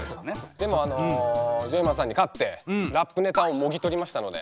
でもあのジョイマンさんに勝ってラップネタをもぎ取りましたので。